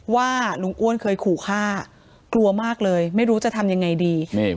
ว่าลุงอ้วนเคยขู่ฆ่ากลัวมากเลยไม่รู้จะทำยังไงดี